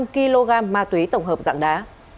năm kg ma túy tổng hợp dạng đá